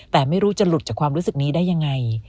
แต่ไม่รู้จะหลุดจากความรู้สึกนี้ได้ยังไง